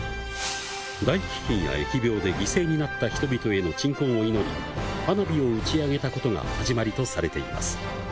大飢饉や疫病で犠牲になった人々への鎮魂を祈り花火を打ち上げたことが始まりとされています。